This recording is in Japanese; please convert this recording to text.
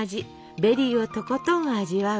ベリーをとことん味わう